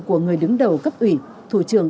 của người đứng đầu cấp ủy thủ trường